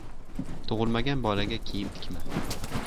• Tug‘ilmagan bolaga kiyim tikma.